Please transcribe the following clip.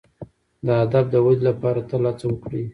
د ادب د ودي لپاره تل هڅه وکړئ.